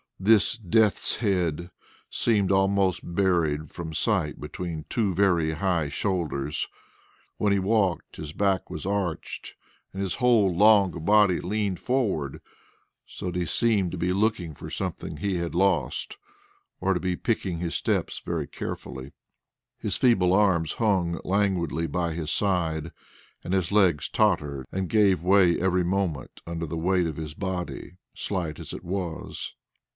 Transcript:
This death's head seemed almost buried from sight between two very high shoulders. When he walked, his back was arched, and his whole long body leaned forward, so that he seemed to be looking for something he had lost, or to be picking his steps very carefully. His feeble arms hung languidly by his side, and his legs tottered and gave way every moment under the weight of his body, slight as it was.